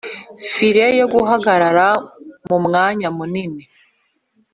feri yo guhagarara mumwanya munini